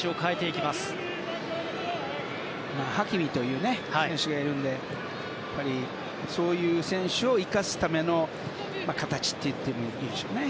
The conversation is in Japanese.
ハキミという選手がいるのでそういう選手を生かすための形と言ってもいいでしょうね。